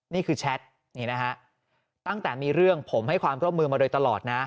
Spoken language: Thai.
นี่คือแชทตั้งแต่มีเรื่องผมให้ความร่วมมือมาโดยตลอดนะฮะ